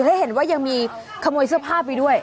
ถ้าเห็นว่ายังมีขโมยเสื้อผ้าไปด้วย